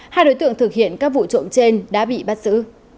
hai đối tượng thực hiện các vụ trộm trên đã bị bắt giữ